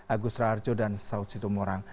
agus raharjo dan saud situmorang